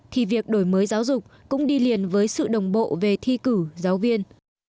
thì việc đổi mới giáo dục cũng đi liền với sự đồng bộ về thi cử giáo viên